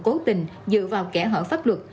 cố tình dựa vào kẻ hở pháp luật